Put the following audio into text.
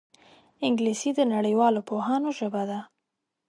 انګلیسي د نړیوالو پوهانو ژبه ده